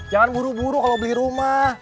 jangan buru buru kalau beli rumah